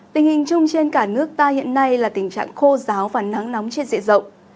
tình hình chung trên cả nước ta hiện nay là tình trạng khô giáo và nắng nóng trên dịa rộng